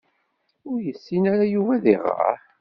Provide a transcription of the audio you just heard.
Ur yessin ara Yuba ad iɣeṛ.